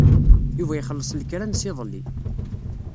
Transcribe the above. Yuba ixelleṣ lekra-nnes iḍelli.